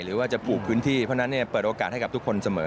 หรือว่าจะปลูกพื้นที่เพราะฉะนั้นเปิดโอกาสให้กับทุกคนเสมอ